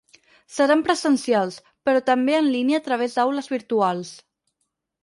Seran presencials, però també en línia a través d’aules virtuals.